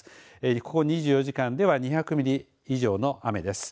ここ２４時間では２００ミリ以上の雨です。